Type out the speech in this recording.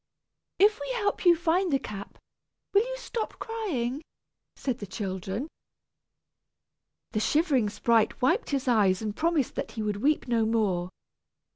"If we help you to find the cap, will you stop crying?" said the children. The shivering sprite wiped his eyes and promised that he would weep no more.